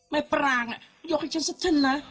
แม่ปรางยกให้ฉันเสียทันละ